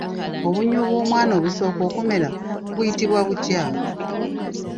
Obunnyo bw'omwana obusooka okumera buyitibwa butya?